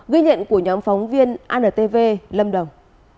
ghi nhận của nhóm phóng viên antv lâm đồng